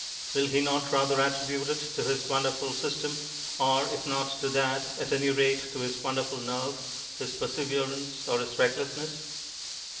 Will he not rather attribute it to his wonderful system, or if not to that, at any rate to his wonderful nerve, his perseverance, or his recklessness?